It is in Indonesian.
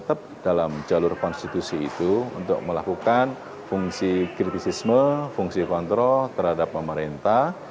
dan kemudian apa yang akan dilakukan tetap dalam jalur konstitusi itu untuk melakukan fungsi kritisisme fungsi kontrol terhadap pemerintah